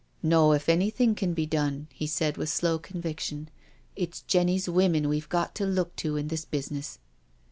No, if anything can be done," he said, with slow conviction, " it's Jenny's women we've got to look to in this business."